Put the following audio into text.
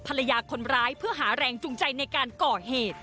ภรรยาคนร้ายเพื่อหาแรงจูงใจในการก่อเหตุ